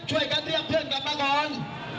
ช่วยกันเรียกเพื่อนกลับมาก่อน